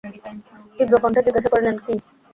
তীব্রকণ্ঠে জিজ্ঞাসা করিলেন, কী!